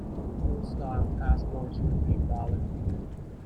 Old style passports remain valid.